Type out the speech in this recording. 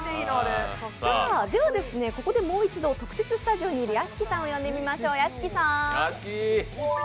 ここでもう一度、特設スタジオにいる屋敷さんを呼んでみましょう。